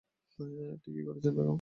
ঠিকি করছেন বেগম।